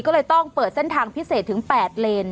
ก็เลยต้องเปิดเส้นทางพิเศษถึง๘เลน